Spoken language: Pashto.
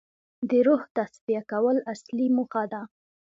د روح تصفیه کول اصلي موخه ده.